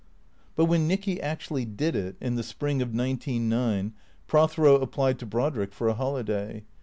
But when Nicky actually did it (in the spring of nineteen nine) Prothero applied to Brodrick for a holiday.